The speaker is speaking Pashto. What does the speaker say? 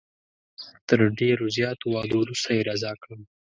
تر ډېرو زیاتو وعدو وروسته یې رضا کړم.